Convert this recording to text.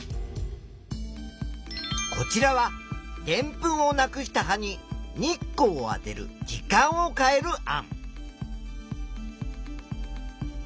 こちらはでんぷんをなくした葉に日光をあてる時間を変える案。